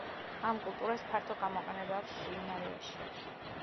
ამ კულტურას ფართო გამოყენება აქვს კულინარიაში.